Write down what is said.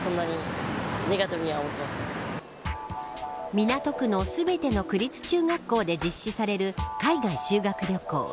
港区の全ての区立中学校で実施される海外修学旅行。